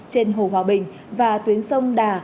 trên hồ hòa bình và tuyến sông đà